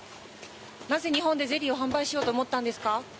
なぜ日本でゼリーを販売しようと思ったんですか？